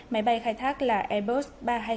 máy bay khai thác là airbus ba trăm hai mươi năm